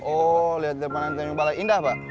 oh lihat pemandangan di tanjung balai indah pak